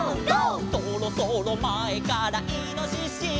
「そろそろ前からイノシシ」